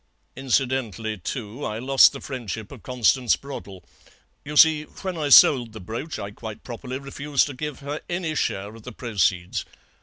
Incidentally, too, I lost the friendship of Constance Broddle. You see, when I sold the brooch I quite properly refused to give her any share of the proceeds.